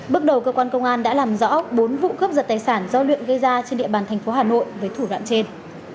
bước đầu cơ quan công an đã làm rõ bốn vụ cướp giật tài sản do luyện gây ra trên địa bàn thành phố hà nội với thủ đoạn trên